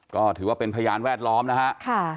ก็ถือว่าเป็นพยานแวดล้อมนะฮะ